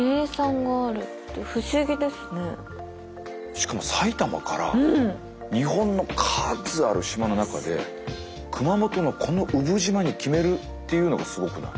しかも埼玉から日本の数ある島の中で熊本のこの産島に決めるっていうのがすごくない？